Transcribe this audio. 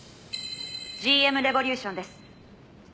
「ＧＭレボリューションです」